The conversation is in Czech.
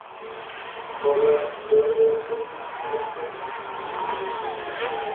Hora je relativně snadno přístupná.